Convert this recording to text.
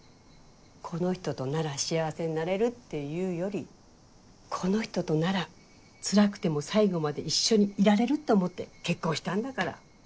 この人となら幸せになれるっていうよりこの人とならつらくても最後まで一緒にいられるって思って結婚したんだから。